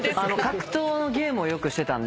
格闘のゲームをよくしてたんで。